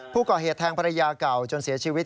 ผู้ก่อเหตุแทงภรรยาเก่าจนเสียชีวิต